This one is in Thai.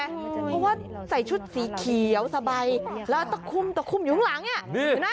เพราะว่าใส่ชุดสีเขียวสบายแล้วตะคุ่มตะคุ่มอยู่ข้างหลัง